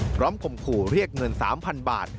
ข่มขู่เรียกเงิน๓๐๐๐บาท